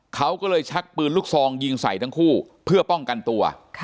เขาก็เลยชักปืนลูกซองยิงใส่ทั้งคู่เพื่อป้องกันตัว